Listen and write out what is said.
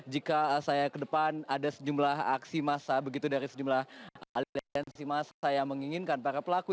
jika saya ke depan ada sejumlah aksi massa begitu dari sejumlah aliansi massa yang menginginkan para pelaku